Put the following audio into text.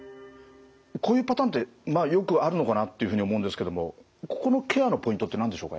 こういうパターンってまあよくあるのかなっていうふうに思うんですけどもここのケアのポイントって何でしょうか？